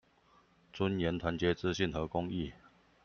尊嚴、團結、自信和公義